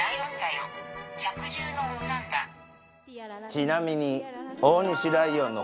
ちなみに。